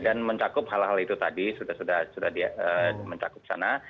dan mencakup hal hal itu tadi sudah mencakup sana